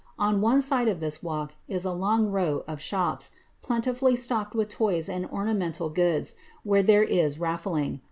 On one side of this walk is a long row of shops, plentifully stocked with toys and ornamental goods, where there is raflling.